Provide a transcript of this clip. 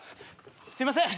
すいません！